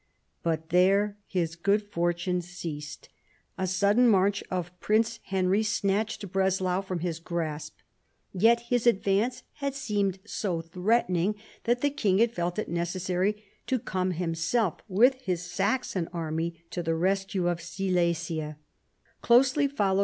But there his good fortune ceased; a sudden march of Prince Henry snatched Breslau from his grasp. Yet his advance had seemed so threatening that the king had felt it necessary to come himself with his Saxon army to the rescue of Silesia.